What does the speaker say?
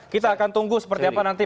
kita akan tunggu seperti apa nanti